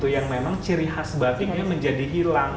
yang memang ciri khas batiknya menjadi hilang